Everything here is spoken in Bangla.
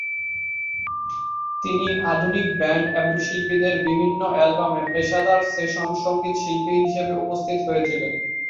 তিনি আধুনিক ব্যান্ড এবং শিল্পীদের বিভিন্ন অ্যালবামে পেশাদার সেশন সঙ্গীতশিল্পী হিসেবে উপস্থিত হয়েছিলেন।